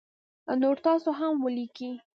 نور تاسو هم ولیکی